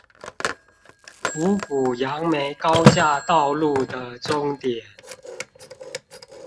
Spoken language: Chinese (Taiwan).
五股楊梅高架道路的終點